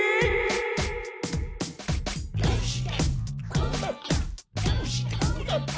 こうなった？